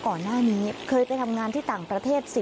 ก่อนหน้านี้เคยไปทำงานที่ต่างประเทศ๑๐